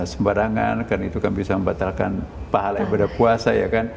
sembarangan kan itu kan bisa membatalkan pahala ibadah puasa ya kan